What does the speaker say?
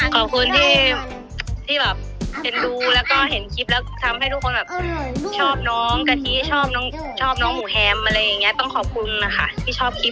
ขอบคุณที่แบบเห็นดูแล้วก็เห็นคลิปแล้วทำให้ทุกคนชอบน้องกะทิชอบน้องหมูแฮมอะไรอย่างเงี้ย